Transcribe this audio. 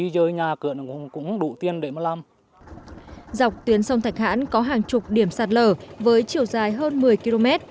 dọc tuyến sông thạch hãn có hàng chục điểm sạt lở với chiều dài hơn một mươi km